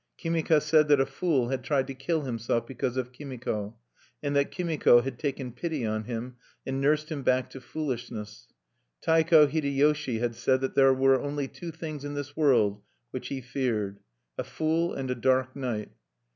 Kimika said that a fool had tried to kill himself because of Kimiko, and that Kimiko had taken pity on him, and nursed him back to foolishness. Taiko Hideyoshi had said that there were only two things in this world which he feared, a fool and a dark night.